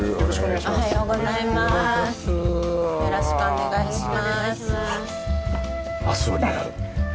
よろしくお願いします。